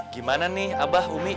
gimana nih abah umi